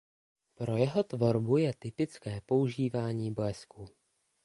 Pro jeho tvorbu je typické používání blesku.